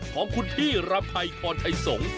ของคุณพี่รำไพคอนไทยสงค์